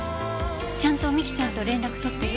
ちゃんと美貴ちゃんと連絡取ってる？